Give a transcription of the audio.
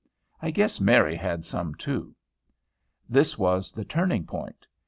I guess Mary had some, too. This was the turning point.